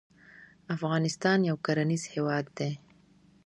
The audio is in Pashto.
افغانستان يو کرنيز هېواد دی.